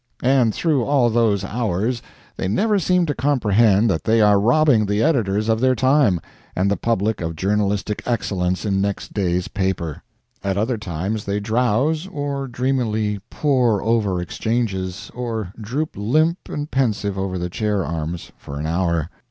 And through all those hours they never seem to comprehend that they are robbing the editors of their time, and the public of journalistic excellence in next day's paper. At other times they drowse, or dreamily pore over exchanges, or droop limp and pensive over the chair arms for an hour.